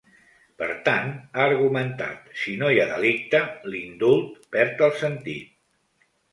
Per tant, ha argumentat, si no hi ha delicte, l’indult perd el sentit.